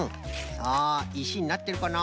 さあいしになってるかな？